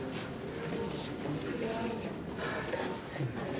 すいません。